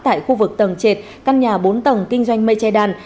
tại khu vực tầng trệt căn nhà bốn tầng kinh doanh mây che đan